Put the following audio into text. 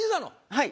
はい。